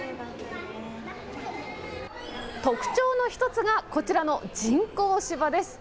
特徴の１つがこちらの人工芝です。